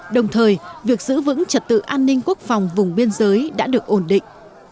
đồng thời việc giữ vững trật tự an ninh quốc phòng vùng biên giới đã được ổn định